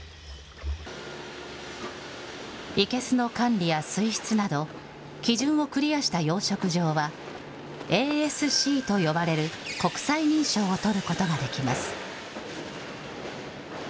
生けすの管理や水質など、基準をクリアした養殖場は、ＡＳＣと呼ばれる国際認証を取ることができます。